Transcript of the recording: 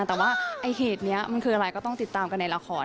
แต่ว่าไอ้เหตุนี้มันคืออะไรก็ต้องติดตามกันในละคร